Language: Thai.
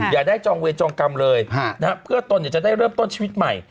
อย่าได้จองเวรจองกรรมเลยเพื่อตนจะได้เริ่มต้นชีวิตใหม่